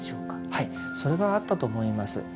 はいそれはあったと思います。